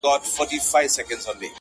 • چي آواز به یې خپل قام لره ناورین وو -